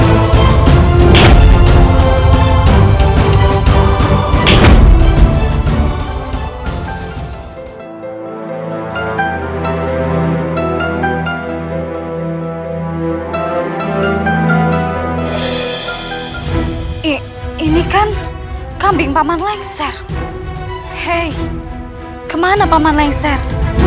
hai ini kan kambing paman lengser hey kemana paman lengser